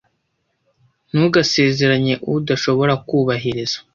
Ntugasezeranye udashobora kubahiriza.